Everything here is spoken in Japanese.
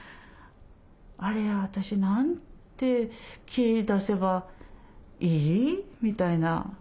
「あれ私何て切り出せばいい？」みたいな。